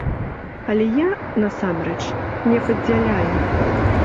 Але я, насамрэч, не падзяляю.